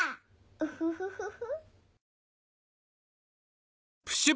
ウフフフフ。